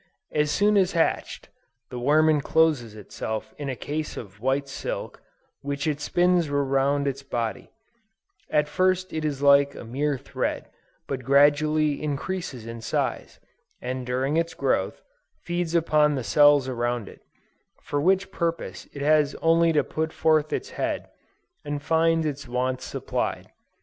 "As soon as hatched, the worm encloses itself in a case of white silk, which it spins around its body; at first it is like a mere thread, but gradually increases in size, and during its growth, feeds upon the cells around it, for which purpose it has only to put forth its head, and find its wants supplied.